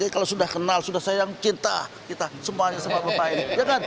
kalau sudah kenal sudah saya yang cinta kita semuanya sama bapak ini